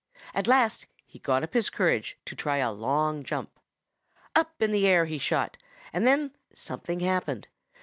At last he got up his courage to try a long jump. Up in the air he shot, and then something happened.